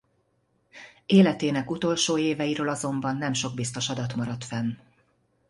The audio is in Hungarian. Életének utolsó éveiről azonban nem sok biztos adat maradt fenn.